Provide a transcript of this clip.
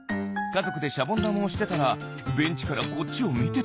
かぞくでシャボンだまをしてたらベンチからこっちをみてた。